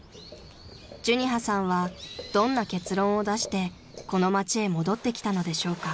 ［寿仁葉さんはどんな結論を出してこの街へ戻ってきたのでしょうか？］